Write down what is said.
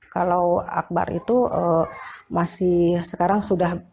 kalau akbar itu masih sekarang sudah